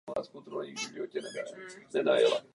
Tito lidé mají nyní volbu.